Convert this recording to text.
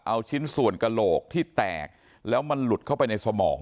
เอาชิ้นส่วนกระโหลกที่แตกแล้วมันหลุดเข้าไปในสมอง